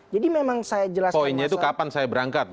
jadi memang saya jelaskan poinnya itu kapan saya berangkat